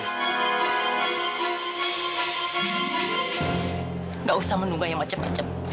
tidak usah menunggu yang macem macem